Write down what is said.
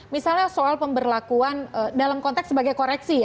misalnya soal pemberlakuan dalam konteks sebagai koreksi ya